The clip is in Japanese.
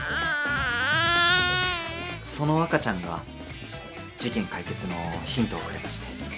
・その赤ちゃんが事件解決のヒントをくれまして。